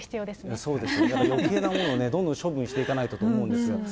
やっぱりよけいなものをどんどん処分していかないとと思うんですよ。